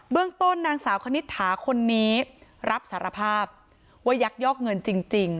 เรื่องต้นนางสาวคณิตถาคนนี้รับสารภาพว่ายักยอกเงินจริง